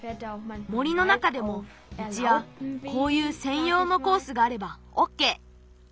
森の中でもみちやこういうせんようのコースがあればオッケー。